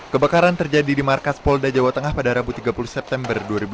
kebakaran terjadi di markas polda jawa tengah pada rabu tiga puluh september dua ribu dua puluh